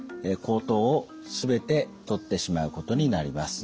喉頭を全て取ってしまうことになります。